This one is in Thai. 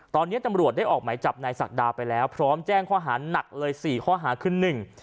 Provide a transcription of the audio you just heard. ตอนนี้ตำรวจได้ออกหมายจับนายศักดาไปแล้วพร้อมแจ้งข้อหาหนักเลยสี่ข้อหาคือหนึ่ง